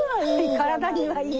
体にはいい。